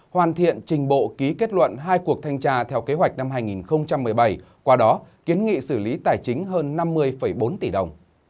hoàn thiện trình bộ ký kết luận hai cuộc thanh tra theo kế hoạch năm hai nghìn một mươi bảy qua đó kiến nghị xử lý tài chính hơn năm mươi bốn tỷ đồng